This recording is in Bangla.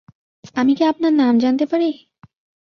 আমি কি আপনার নাম জানতে পারি?